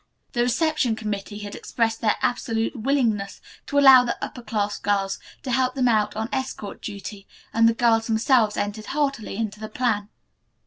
The reception committee had expressed their absolute willingness to allow the upper class girls to help them out on escort duty and the girls themselves entered heartily into the plan.